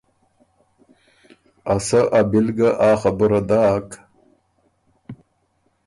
ا سۀ ا بی ل ګه آ خبُره داک۔